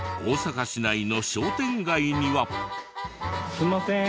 すいません。